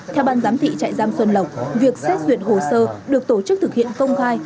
theo ban giám thị trại giam xuân lộc việc xét duyệt hồ sơ được tổ chức thực hiện công khai